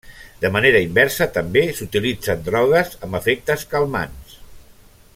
De manera inversa, també s’utilitzen drogues amb efectes calmants.